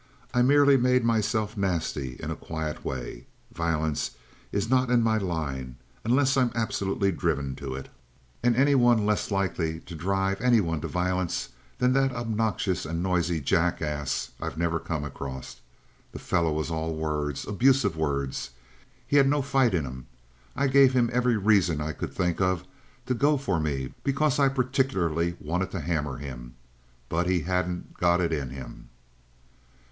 "I merely made myself nasty in a quiet way. Violence is not in my line, unless I'm absolutely driven to it; and any one less likely to drive any one to violence than that obnoxious and noisy jackass I've never come across. The fellow was all words abusive words. He'd no fight in him. I gave him every reason I could think of to go for me because I particularly wanted to hammer him. But he hadn't got it in him."